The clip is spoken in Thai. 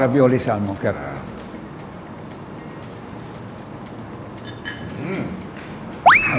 ลาวิโอรี่ซามอนครับ